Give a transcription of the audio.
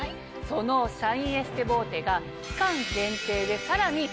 そのシャインエステボーテが。